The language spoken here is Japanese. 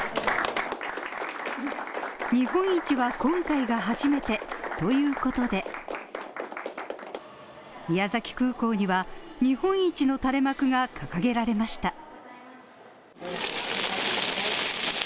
日本一は今回が初めてということで宮崎空港には、日本一の垂れ幕が掲げられました。